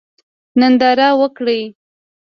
ننداره وکړئ.